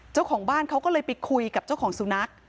เจ้าของบ้านเขาก็เลยไปคุยกับเจ้าของสุนัข